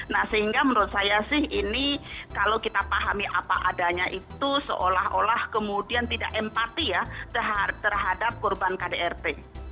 nah sehingga menurut saya sih ini kalau kita pahami apa adanya itu seolah olah kemudian tidak empati ya terhadap korban kdrt